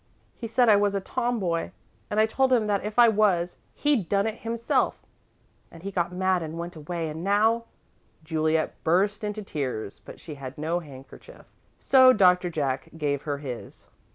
He said I was a tomboy, and I told him that if I was, he'd done it himself, and he got mad and went away, and now " Juliet burst into tears, but she had no handkerchief, so Doctor Jack gave her his.